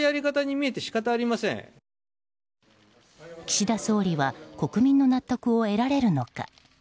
岸田総理は国民の納得を得られるのか。